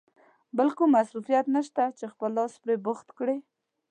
بل کوم مصروفیت نشته چې خپل لاس پرې بوخت کړې.